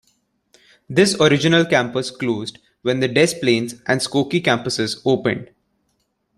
This original campus closed when the Des Plaines and Skokie campuses opened.